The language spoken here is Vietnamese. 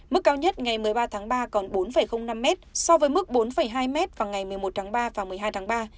mức cao nhất ngày một mươi ba tháng ba còn bốn năm m so với mức bốn hai m vào ngày một mươi một tháng ba và một mươi hai tháng ba